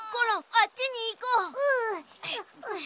あっちにいこう。